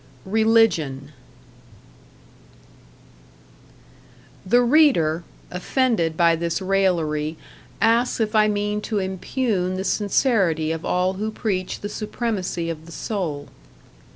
#Religion# The reader, offended by this raillery, asks if I mean to impugn the sincerity of all who preach the supremacy of the soul.